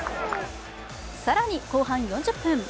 更に、後半４０分。